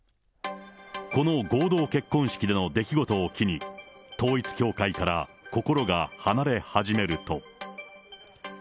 この合同結婚式での出来事を機に、統一教会から心が離れ始めると。